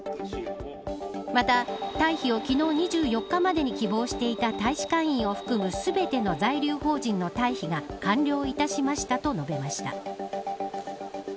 また、退避を昨日２４日までに希望していた大使館員を含む全ての在留邦人の退避が完了いたしましたと述べました。